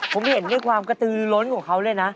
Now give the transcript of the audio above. ผมเห็นด้วยความกระตือล้นของเขาเลยนะ